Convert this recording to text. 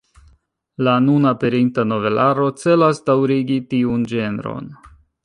La nun aperinta novelaro celas daŭrigi tiun ĝenron.